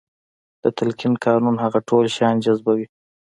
د تلقين قانون هغه ټول شيان جذبوي.